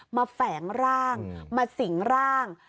แฝงร่างมาสิงร่าง